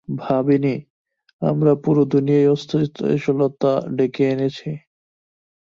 ভাবিনি, আমরা পুরো দুনিয়ায় অস্থিতিশীলতা ডেকে এনেছি।